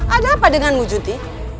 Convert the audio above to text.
ada apa denganmu junti